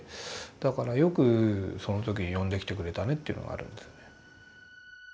だからよくその時に呼んできてくれたねというのがあるんですね。